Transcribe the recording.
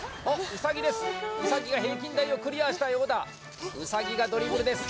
ウサギが平均台をクリアしたようだウサギがドリブルです